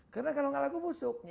karena kalau enggak laku busuk